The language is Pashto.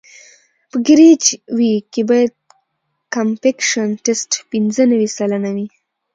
په کیریج وې کې باید کمپکشن ټسټ پینځه نوي سلنه وي